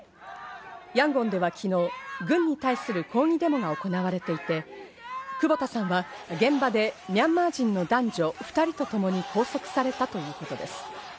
ヤンゴンでは昨日、軍に対する抗議デモが行われていて、クボタさんは現場でミャンマー人の男女２人とともに拘束されたということです。